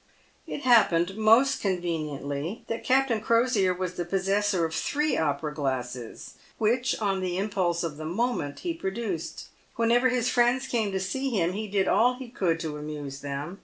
It happened most conveniently that Captain Crosier was the pos sessor of three opera glasses, which, on the impulse of the moment, he produced. "Whenever his friends came to see him, he did all he could to amuse them.